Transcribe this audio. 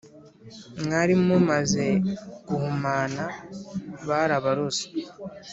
mwarimumaze guhumana babaroze"